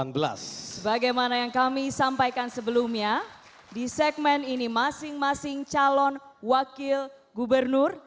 sebagaimana yang kami sampaikan sebelumnya di segmen ini masing masing calon wakil gubernur